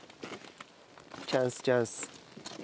チャンスチャンス！